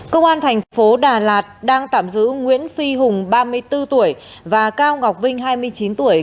công an thành phố đà lạt đang tạm giữ nguyễn phi hùng ba mươi bốn tuổi và cao ngọc vinh hai mươi chín tuổi